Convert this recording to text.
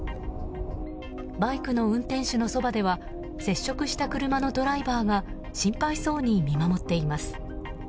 バイクの運転手のそばでは接触した車のドライバーが心配そうに見守っています。